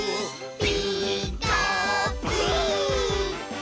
「ピーカーブ！」